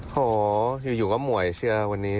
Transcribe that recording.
โหอยู่ก็หมวยเชื่อวันนี้